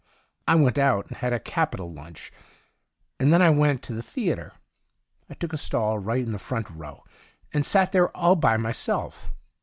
I went out and had a capital 10 THE DIARY OF A GOD lunch, and then I went to the theatre. I took a stall right in the front row, and sat there all by my self.